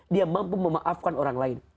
dia mampu memaafkan orang lain